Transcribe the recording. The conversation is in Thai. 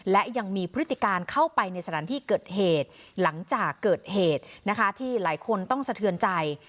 และยังมีพฤติการเข้าไปในสถานที่เกิดเหตุหลังจากเกิดเหตุนะคะที่หลายคนต้องสะเทือนใจ